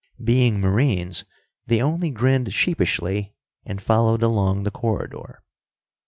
Being Marines, they only grinned sheepishly, and followed along the corridor.